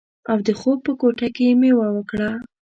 او د خوب په کوټه کې یې میوه وکړه